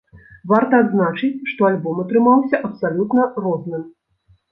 Варта адзначыць, што альбом атрымаўся абсалютна розным.